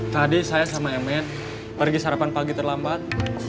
tadi saya sama mn pergi sarapan pagi terlambat